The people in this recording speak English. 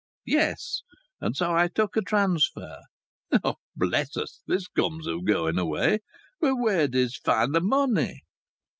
"Yes. And so I took a transfer." "Bless us! This comes o'going away! But where didst find th' money?"